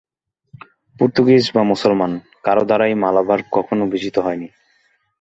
পোর্তুগীজ বা মুসলমান কারও দ্বারাই মালাবার কখনও বিজিত হয়নি।